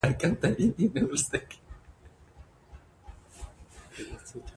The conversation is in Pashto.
یورانیم د افغانستان د طبیعي پدیدو یو رنګ دی.